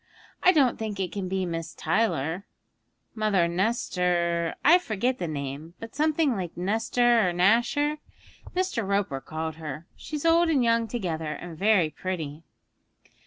I don't think it can be Miss Tyler; Mother Nestor I forget the name, but something like Nestor or Nasher Mr. Roper called her. She's old and young together, and very pretty.'